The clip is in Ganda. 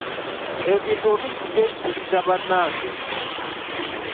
Ebintu oluusi byeyitiriza bannange!